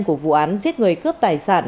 của vụ án giết người cướp tài sản